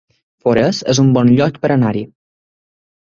Forès es un bon lloc per anar-hi